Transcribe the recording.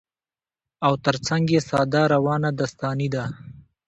او تر څنګ يې ساده، روانه داستاني ده